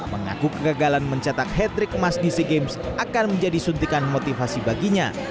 mengaku kegagalan mencetak headrick emas dc games akan menjadi suntikan motivasi baginya